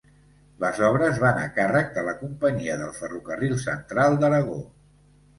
Les obres van a càrrec de la Companyia del Ferrocarril Central d'Aragó.